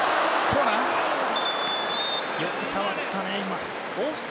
よく触ったね、今。